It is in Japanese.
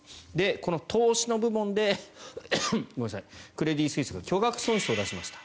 この投資の部門でクレディ・スイスが巨額損失を出しました。